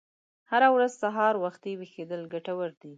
هره ورځ سهار وختي ویښیدل ګټور دي.